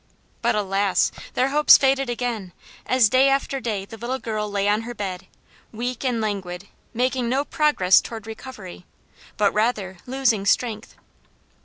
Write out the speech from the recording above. But alas! their hopes faded again, as day after day the little girl lay on her bed, weak and languid, making no progress toward recovery, but rather losing strength.